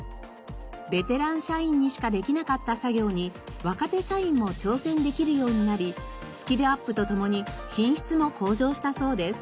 ベテラン社員にしかできなかった作業に若手社員も挑戦できるようになりスキルアップとともに品質も向上したそうです。